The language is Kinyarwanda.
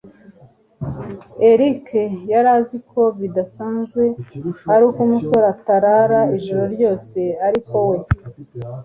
Eric yari azi ko bidasanzwe ari uko umusore atarara ijoro ryose, ariko we